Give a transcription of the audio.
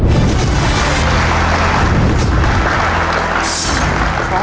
ข้อหนึ่งน้ำเงินดำแดง